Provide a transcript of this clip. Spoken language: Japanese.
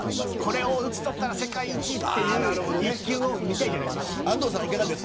これを打ち取ったら世界一という１球を見たいじゃないですか。